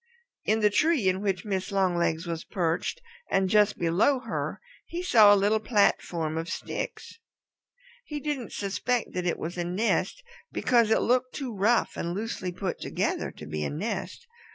In the tree in which Mrs. Longlegs was perched and just below her he saw a little platform of sticks. He didn't suspect that it was a nest, because it looked too rough and loosely put together to be a nest.